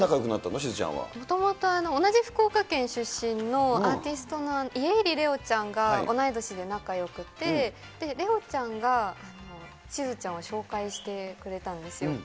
しずもともと、同じ福岡県出身のアーティストの家入レオちゃんが、同い年で仲よくって、レオちゃんが、しずちゃんを紹介してくれたんですよ。